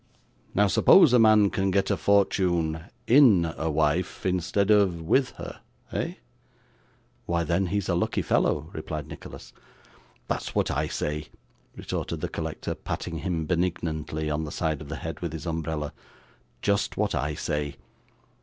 Now suppose a man can get a fortune IN a wife instead of with her eh?' 'Why, then, he's a lucky fellow,' replied Nicholas. 'That's what I say,' retorted the collector, patting him benignantly on the side of the head with his umbrella; 'just what I say.